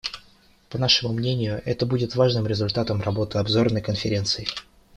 По нашему мнению, это будет важным результатом работы Обзорной конференции.